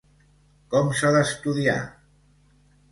Com s’ha d’estudiar?